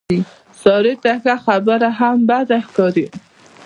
سارې ته ښه خبره هم بده ښکاري.